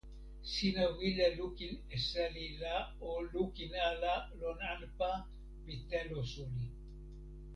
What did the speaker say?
sina wile lukin e seli la o lukin ala lon anpa pi telo suli.